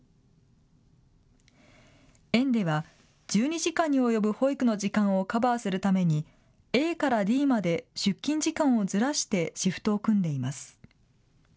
園では１２時間に及ぶ保育の時間をカバーするためにＡからＤまで出勤時間をずらしてシフトを組んでいます。